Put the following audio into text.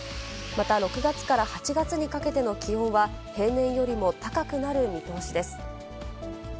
また、６月から８月にかけての気温は、平年よりも高くなる見通しです。